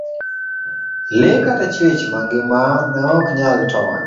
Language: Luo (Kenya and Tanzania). lee kata chuech mangima ne ok nyal tony.